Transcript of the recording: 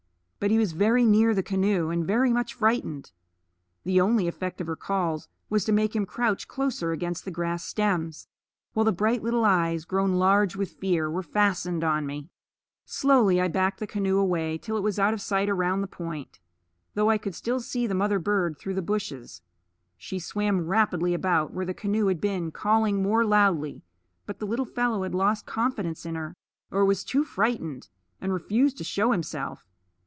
But he was very near the canoe, and very much frightened; the only effect of her calls was to make him crouch closer against the grass stems, while the bright little eyes, grown large with fear, were fastened on me. Slowly I backed the canoe away till it was out of sight around the point, though I could still see the mother bird through the bushes. She swam rapidly about where the canoe had been, calling more loudly; but the little fellow had lost confidence in her, or was too frightened, and refused to show himself.